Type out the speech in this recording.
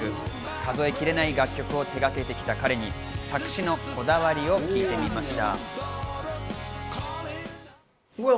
数え切れない楽曲を手がけてきた彼に作詞のこだわりを聞いてみました。